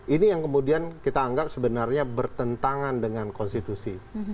ini yang kemudian kita anggap sebenarnya bertentangan dengan konstitusi